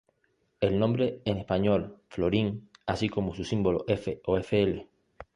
El nombre en español "florín," así como su símbolo ƒ o fl.